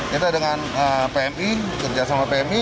kita dengan pmi kerja sama pmi